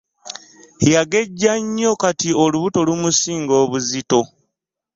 Yagejja nnyo kati olubuto lumusinga obuzito